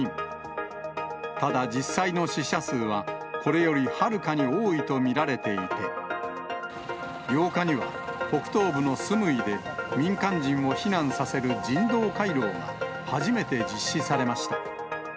ただ、実際の死者数は、これよりはるかに多いと見られていて、８日には、北東部のスムイで、民間人を避難させる人道回廊が初めて実施されました。